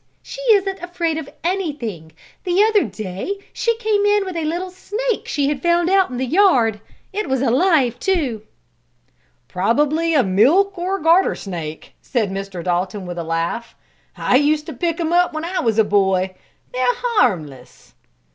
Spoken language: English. She isn't afraid of anything. The other day she came in with a little snake she had found out in the yard. It was alive, too." "Probably a milk, or garter, snake," said Mr. Dalton with a laugh. "I used to pick 'em up when I was a boy. They're harmless."